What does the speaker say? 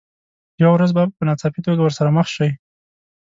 یوه ورځ به په ناڅاپي توګه ورسره مخ شئ.